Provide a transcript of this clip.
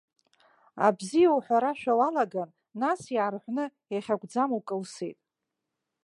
Абзиа уҳәарашәа уалаган, нас иаарҳәны, иахьакәӡам укылсит.